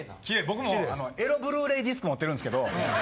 僕もエロブルーレイディスク持ってるんですけど。